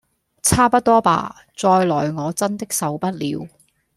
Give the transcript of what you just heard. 差不多吧！再來我真的受不了